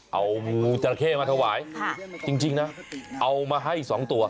เอางูจราเข้มาถวายจริงนะเอามาให้สองตัว